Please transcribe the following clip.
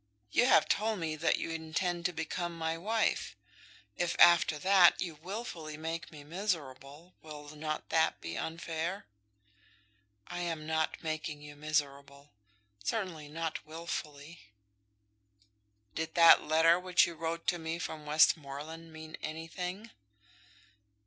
You have told me that you intend to become my wife. If, after that, you wilfully make me miserable, will not that be unfair?" "I am not making you miserable, certainly not wilfully." "Did that letter which you wrote to me from Westmoreland mean anything?"